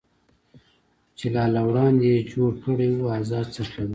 چې لا له وړاندې یې جوړ کړی و، ازاد څرخېدل.